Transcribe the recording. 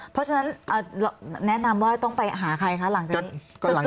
เพราะฉะนั้นแนะนำว่าต้องไปหาใครคะหลังจากนี้